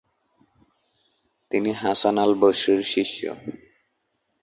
তিনি হাসান আল-বসরির শিষ্য।